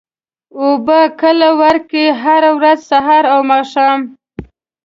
اوبه کله ورکوئ؟ هره ورځ، سهار او ماښام